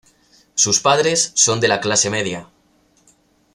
Sus padres son de la clase media.